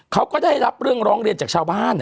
เขาก็ได้รับเรื่องร้องเรียนจากชาวบ้าน